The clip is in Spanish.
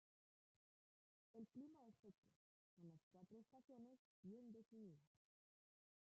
El clima es seco, con las cuatro estaciones bien definidas.